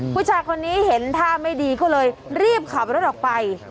ผู้ชายคนนี้เห็นท่าไม่ดีก็เลยรีบขับรถออกไป